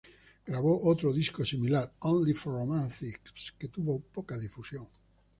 Grabó otro disco similar, "Only for Romantics", que tuvo poca difusión.